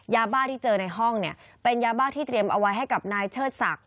ยาบ้าที่เจอในห้องเนี่ยเป็นยาบ้าที่เตรียมเอาไว้ให้กับนายเชิดศักดิ